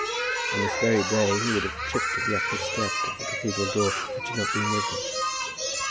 On this very day he would have tripped at the upward step at the cathedral door had she not been with him.